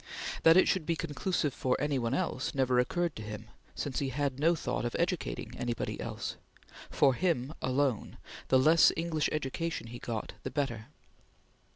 That it should be conclusive for any one else never occurred to him, since he had no thought of educating anybody else. For him alone the less English education he got, the better!